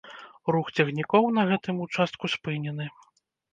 Рух цягнікоў на гэтым участку спынены.